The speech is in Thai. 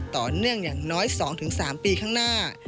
ต่อเนื่องอย่างน้อย๒๓ปีข้างหน้า